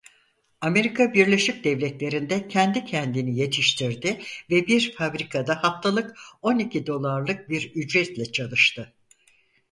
Amerika Birleşik Devletleri'nde kendi kendini yetiştirdi ve bir fabrikada haftalık on iki dolarlık bir ücretle çalıştı.